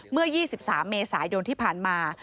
เมื่อ๒๓เมษายนที่ผ่านมา